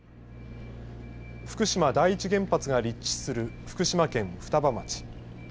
福島第一原発が立地する福島県双葉町。